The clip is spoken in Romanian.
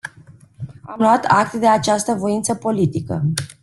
Am luat act de această voință politică.